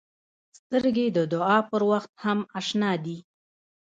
سترګې د دعا پر وخت هم اشنا دي